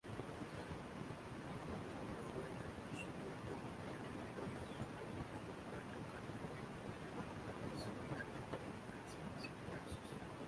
It provided scheduled entertainment of suitable length at convenient locales at inexpensive prices.